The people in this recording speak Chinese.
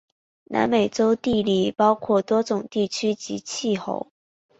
南美洲地理包括多种地区及气候。